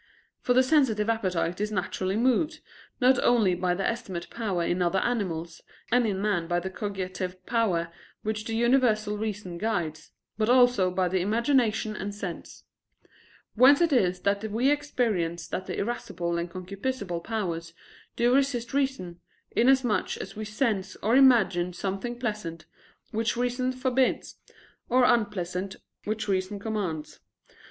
For the sensitive appetite is naturally moved, not only by the estimative power in other animals, and in man by the cogitative power which the universal reason guides, but also by the imagination and sense. Whence it is that we experience that the irascible and concupiscible powers do resist reason, inasmuch as we sense or imagine something pleasant, which reason forbids, or unpleasant, which reason commands.